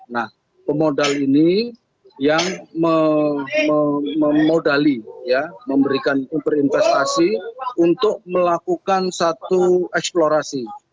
nah pemodal ini yang memodali memberikan berinvestasi untuk melakukan satu eksplorasi